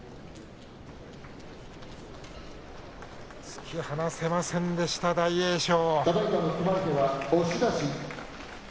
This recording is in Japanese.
突き離せませんでした大栄翔。